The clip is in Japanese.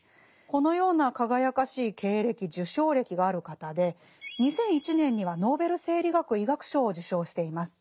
このような輝かしい経歴・受賞歴がある方で２００１年にはノーベル生理学・医学賞を受賞しています。